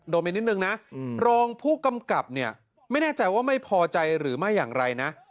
ไปนิดนึงนะรองผู้กำกับเนี่ยไม่แน่ใจว่าไม่พอใจหรือไม่อย่างไรนะ